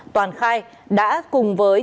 toàn khai đã cùng với